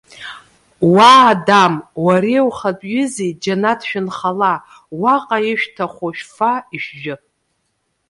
Уа, Адам! Уареи ухатәҩызеи џьанаҭ шәынхала, уаҟа ишәҭаху шәфа-ишәжәы.